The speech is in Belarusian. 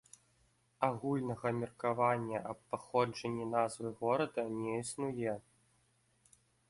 Агульнага меркавання аб паходжанні назвы горада не існуе.